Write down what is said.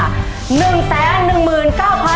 กลับไปเรื่อย